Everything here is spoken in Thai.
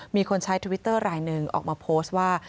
มีคนใช้ทวิตเตอร์รายหนึ่งออกมาโพสต์ว่า